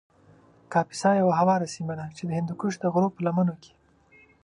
کاپیسا یو هواره سیمه ده چې د هندوکش د غرو په لمنو کې